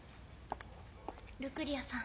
ルクリアさん。